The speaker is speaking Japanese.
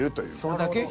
それだけ？